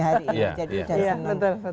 jadi sudah senang